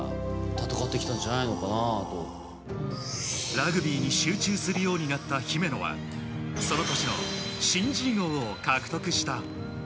ラグビーに集中するようになった姫野はその年の新人王を獲得した。